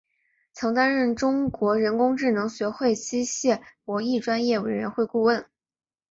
曾担任中国人工智能学会机器博弈专业委员会顾问。